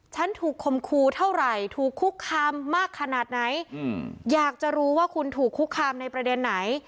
ฉันถูกคมครูเท่าไหร่ถูกคุกคามมากขนาดไหนอยากจะรู้ว่าคุณถูกคุกคามในประเด็นไหน